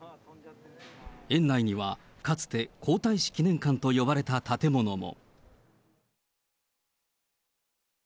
園内には、かつて、皇太子記念館と呼ばれた建物も。